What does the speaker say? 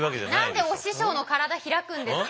何でお師匠の体開くんですか？